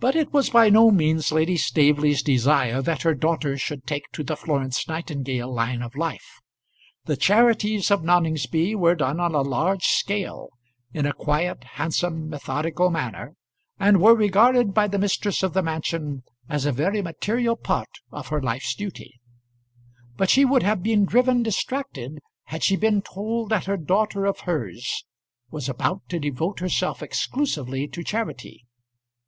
But it was by no means Lady Staveley's desire that her daughter should take to the Florence Nightingale line of life. The charities of Noningsby were done on a large scale, in a quiet, handsome, methodical manner, and were regarded by the mistress of the mansion as a very material part of her life's duty; but she would have been driven distracted had she been told that a daughter of hers was about to devote herself exclusively to charity.